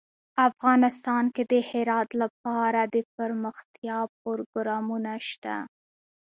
افغانستان کې د هرات لپاره دپرمختیا پروګرامونه شته.